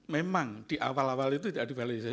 memang di awal awal itu tidak divalisir